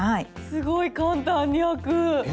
すごい簡単に開く！